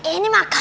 ini mah kambang